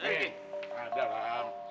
hei ada bang